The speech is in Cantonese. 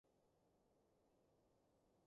謝謝你，我的學生